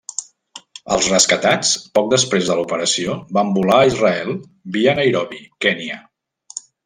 Els rescatats poc després de l'operació van volar a Israel via Nairobi, Kenya.